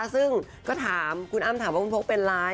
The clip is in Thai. ซึ่งคุณอ้ำถามว่าคุณโพกเป็นไร